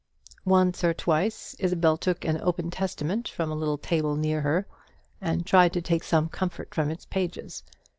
Once or twice Isabel took an open Testament from a little table near her, and tried to take some comfort from its pages.